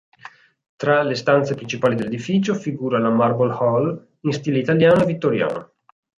Tra le stanze principali dell'edificio, figura la Marble Hall, in stile italiano e vittoriano.